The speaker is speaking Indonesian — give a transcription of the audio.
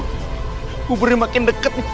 hubernya makin deket